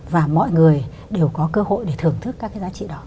và mọi người đều có cơ hội để thưởng thức các cái giá trị đó